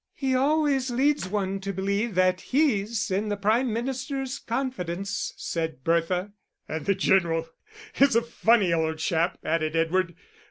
"He always leads one to believe that he's in the Prime Minister's confidence," said Bertha. "And the General is a funny old chap," added Edward.